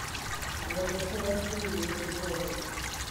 Yr oedd yr holl deulu wrth eu bodd.